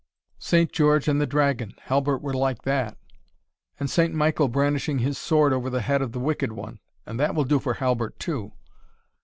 "Saint George and the dragon Halbert will like that; and Saint Michael brandishing his sword over the head of the Wicked One and that will do for Halbert too.